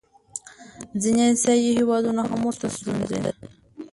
ځینې آسیایي هېوادونه هم ورته ستونزې لري.